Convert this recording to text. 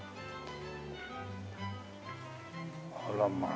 あらまあ。